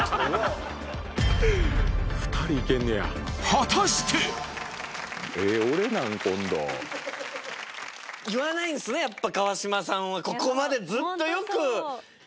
果たして⁉言わないんすねやっぱ川島さんはここまで。